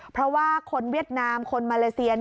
เพราะว่าคนเวียดนามคนมาเลเซีย